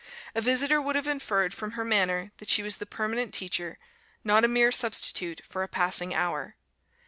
A visitor would have inferred from her manner, that she was the permanent teacher, not a mere substitute for a passing hour.